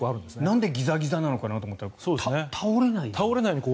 なんでギザギザなのかなと思ったら倒れないように。